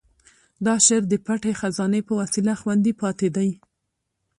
دا شعر د پټې خزانې په وسیله خوندي پاتې دی.